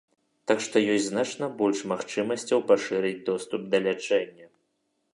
Так што ёсць значна больш магчымасцяў пашырыць доступ да лячэння.